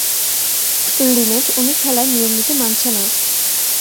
Linate, উনি খেলার নিয়মনীতি মানছে না!